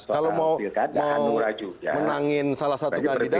kalau mau menangin salah satu kandidat